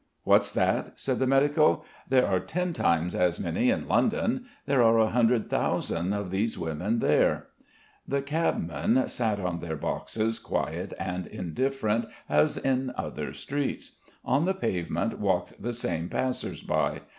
"What's that?" said the medico. "There are ten times as many in London. There are a hundred thousand of these women there." The cabmen sat on their boxes quiet and indifferent as in other streets; on the pavement walked the same passers by.